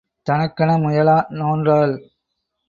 தனக்கென முயலா நோன்றாள்.